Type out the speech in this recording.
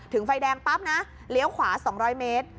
ไฟแดงปั๊บนะเลี้ยวขวา๒๐๐เมตร